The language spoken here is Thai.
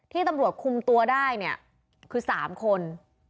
ตำรวจคุมตัวได้เนี่ยคือ๓คน